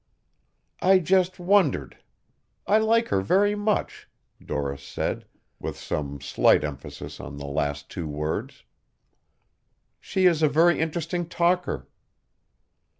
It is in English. "I just wondered. I like her very much," Doris said, with some slight emphasis on the last two words. "She is a very interesting talker."